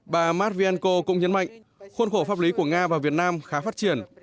bà mát viên cô cũng nhấn mạnh khuôn khổ pháp lý của nga và việt nam khá phát triển